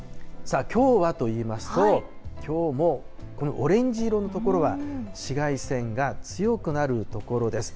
さあ、きょうはといいますと、きょうもこのオレンジ色の所は紫外線が強くなる所です。